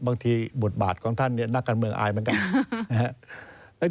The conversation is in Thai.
บางทีบทบาทของท่านเนี่ยนักการเมืองอายเหมือนกันนะครับ